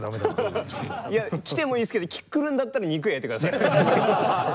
来てもいいですけど来るんだったら肉焼いてください。